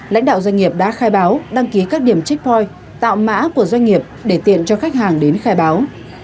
lãnh đạo doanh nghiệp đã khai báo đăng ký các điểm trích voi tạo mã của doanh nghiệp để tiện cho khách hàng đến khai báo